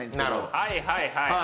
はいはいはい。